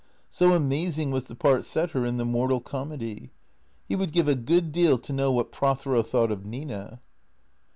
So amazing was the part set her in the mortal comedy. He would give a good deal to know what Prothero thought of Nina.